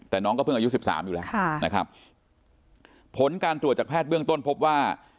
แต่น้องก็เพิ่งอายุสิบสามอยู่แล้วนะครับผลการตรวจจากแพทย์เบื้องต้นพบว่า